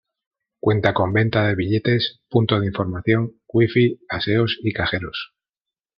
Cuenta con venta de billetes, punto de información, wifi, aseos y cajeros.